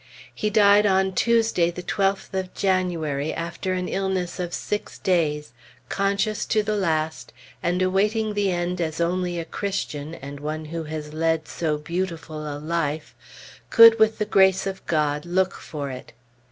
He died on Tuesday the 12th of January, after an illness of six days, conscious to the last and awaiting the end as only a Christian, and one who has led so beautiful a life, could, with the Grace of God, look for it.